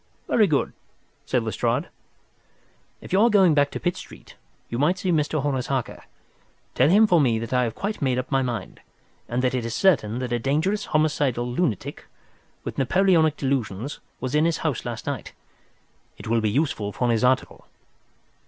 "Very good," said Lestrade. "If you are going back to Pitt Street, you might see Mr. Horace Harker. Tell him for me that I have quite made up my mind, and that it is certain that a dangerous homicidal lunatic, with Napoleonic delusions, was in his house last night. It will be useful for his article."